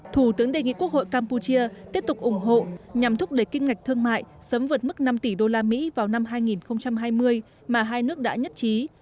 thủ tướng đề nghị quốc hội campuchia tiếp tục ủng hộ nhằm thúc đẩy kinh ngạch thương mại sớm vượt mức năm tỷ usd vào năm hai nghìn hai mươi mà hai nước đã nhất trí